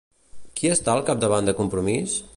Qui està al capdavant de Compromís?